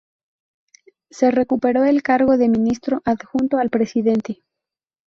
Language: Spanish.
Se recuperó el cargo de Ministro Adjunto al Presidente.